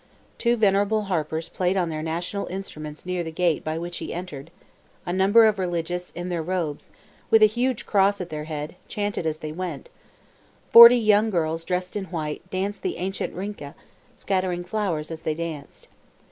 Two venerable harpers played on their national instruments near the gate by which he entered; a number of religious in their robes, with a huge cross at their head, chanted as they went; forty young girls, dressed in white, danced the ancient Rinka, scattering flowers as they danced.